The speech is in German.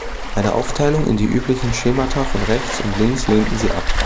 Eine Aufteilung in die üblichen Schemata von „Rechts und Links“ lehnten sie ab.